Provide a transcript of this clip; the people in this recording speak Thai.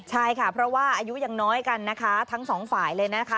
ใช่ค่ะเพราะว่าอายุยังน้อยกันนะคะทั้งสองฝ่ายเลยนะคะ